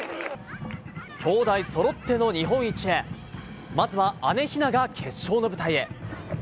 姉弟そろっての日本一へまずは姉・雛が決勝の舞台へ。